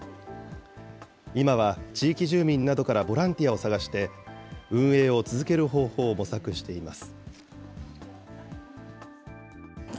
今は地域住民などからボランティアを探して、運営を続ける方法を模索しています。